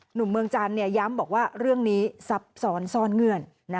หนุ่มเมืองจันทร์ย้ำบอกว่าเรื่องนี้ซับซ้อนซ่อนเงื่อน